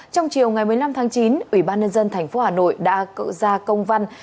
trong chiều ngày một mươi năm tháng chín ủy ban nhân dân tp hà nội đã cự ra công văn